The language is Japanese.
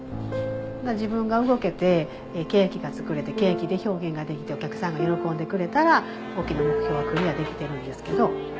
自分が動けてケーキが作れてケーキで表現ができてお客さんが喜んでくれたら大きな目標はクリアできてるんですけど。